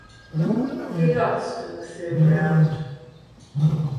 He lost in the third round.